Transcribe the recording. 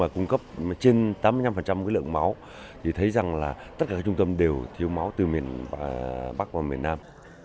cung cấp trên tám mươi năm lượng máu thấy rằng tất cả trung tâm đều thiếu máu từ miền bắc và miền nam